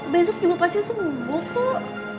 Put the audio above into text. besok juga pasti sembuh kok